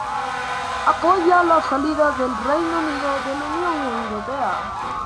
Apoya la salida del Reino Unido de la Unión Europea.